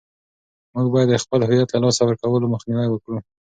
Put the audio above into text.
موږ باید د خپل هویت له لاسه ورکولو مخنیوی وکړو.